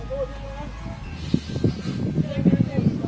วันที่สุดท้ายเกิดขึ้นเกิดขึ้น